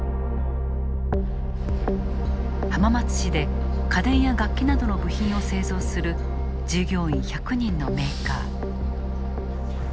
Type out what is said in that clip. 浜松市で家電や楽器などの部品を製造する従業員１００人のメーカー。